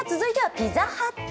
続いてはピザハット。